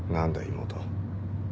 妹。